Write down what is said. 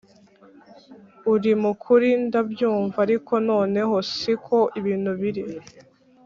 uri mukuri ndabyumva arik noneho siko ibintu biri